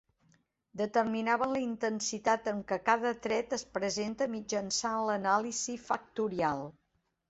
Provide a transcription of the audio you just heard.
Determinàvem la intensitat amb què cada tret es presenta mitjançant l'anàlisi factorial.